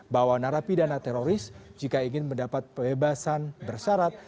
bahwa narapi dana teroris jika ingin mendapatkan bebasan bersyarat